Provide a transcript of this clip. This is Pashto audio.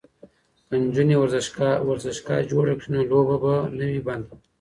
که نجونې ورزشگاه جوړ کړي نو لوبه به نه وي بنده.